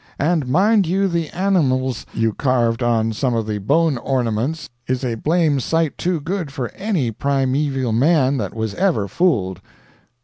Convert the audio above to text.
And mind you the animles you carved on some of the Bone Ornaments is a blame sight too good for any primeaveal man that was ever fooled.